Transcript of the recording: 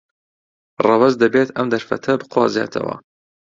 ڕەوەز دەبێت ئەم دەرفەتە بقۆزێتەوە.